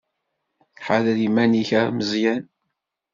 Ḥader iman-ik a Meẓyan.